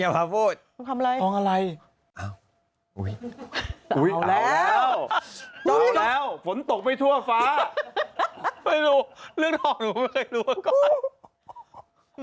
ฟ้าไม่รู้เรื่องหน่อหนูไม่เคยรู้ว่าก่อน